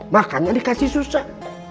makanya dikasih susah